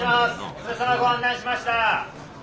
お連れ様ご案内しました。